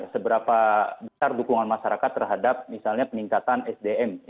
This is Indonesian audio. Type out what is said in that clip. seberapa besar dukungan masyarakat terhadap misalnya peningkatan sdm